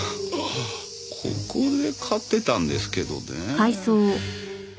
ここで飼ってたんですけどね。